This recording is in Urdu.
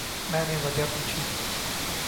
میں نے وجہ پوچھی۔